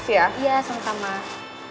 iya sama tamar